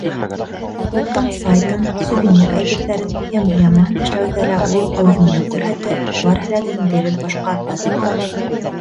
Клубтың сайтын, сувенир әйберҙәрен, эмблемаһын эшләүҙә лә ул әүҙемлек күрһәтте, бар һәләтен биреп башҡарҙы.